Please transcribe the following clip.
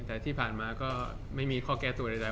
แต่ที่ผ่านมาก็ไม่มีข้อแก้ตัวใด